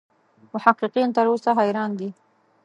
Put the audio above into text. محققین تر اوسه حیران دي.